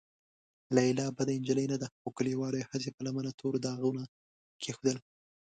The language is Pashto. لیلا بده نجلۍ نه ده، خو کليوالو یې هسې په لمنه تور داغونه کېښودل.